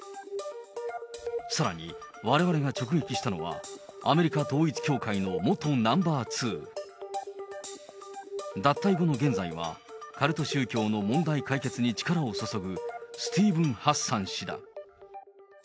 さらにわれわれが直撃したのは、アメリカ統一教会の元ナンバー２、脱退後の現在は、カルト宗教の問題解決に力を注ぐ、スティーブン・ハッサン氏だ。